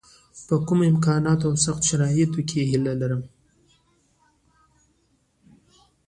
په کمو امکاناتو او سختو شرایطو کې هیله لري.